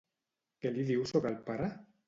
Què li diu sobre el pare?